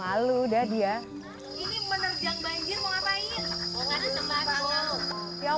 ya ampun ibu ibu di sini bu